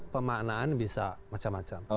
pemaknaan bisa macam macam